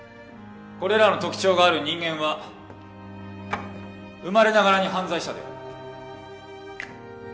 これらの特徴がある人間は生まれながらに犯罪者である。